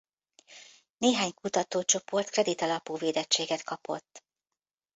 Néhány kutatócsoport kredit alapú védettséget kapott.